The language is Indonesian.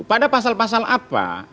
pada pasal pasal apa